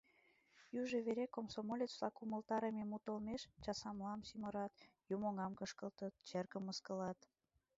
Южо вере комсомолец-влак умылтарыме мут олмеш часамлам сӱмырат, юмоҥам кышкылтыт, черкым мыскылат.